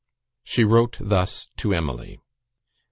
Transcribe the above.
She wrote thus to Emily: "Dec.